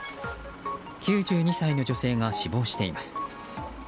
９２歳の女性が死亡しています。